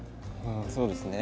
そうですね。